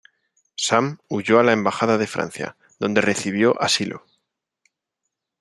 Sam huyó a la embajada de Francia, donde recibió asilo.